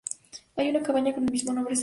Hay una cabaña con el mismo nombre cerca.